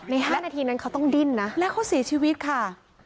๕นาทีนั้นเขาต้องดิ้นนะและเขาเสียชีวิตค่ะ